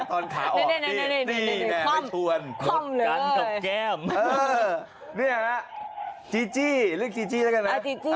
ตอนขาออกนี่ไม่ชวน